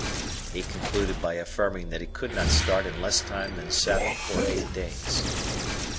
He concluded by affirming that he could not start in less time than seven or eight days.